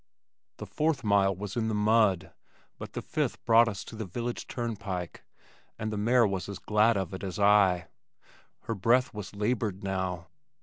The fourth mile was in the mud, but the fifth brought us to the village turnpike and the mare was as glad of it as I. Her breath was labored now.